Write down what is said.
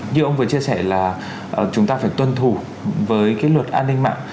như ông vừa chia sẻ là chúng ta phải tuân thủ với cái luật an ninh mạng